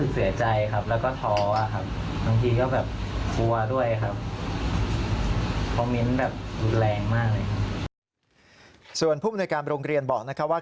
ส่วนผู้มูลเนื้อการโรงเรียนบอกว่า